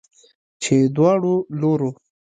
چې دواړو لورو